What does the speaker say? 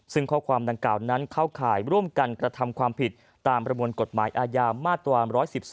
ซึ่งข้อความดังกล่าวนั้นเข้าข่ายร่วมกันกระทำความผิดตามประมวลกฎหมายอาญามาตรา๑๑๒